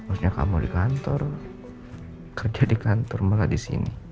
harusnya kamu di kantor kerja di kantor malah disini